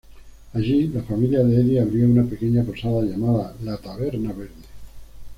Allí, la familia Eddy abrió una pequeña posada, llamada la Taberna Verde.